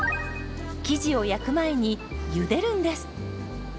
生地を焼く前にゆでるんです。